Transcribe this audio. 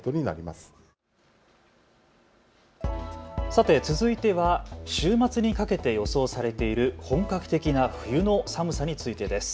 さて続いては週末にかけて予想されている本格的な冬の寒さについてです。